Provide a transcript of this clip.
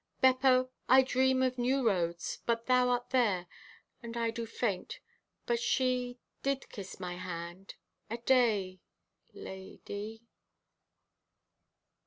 Beppo, I dream of new roads, but thou art there! And I do faint, but she ... did kiss my hand.... Aday ... L—a—d—y."